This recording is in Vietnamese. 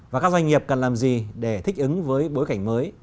và các doanh nghiệp cần làm gì để thích ứng với bối cảnh mới